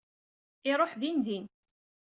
Iruḥ din din.